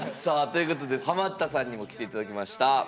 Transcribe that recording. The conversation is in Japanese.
さあということでハマったさんにも来て頂きました。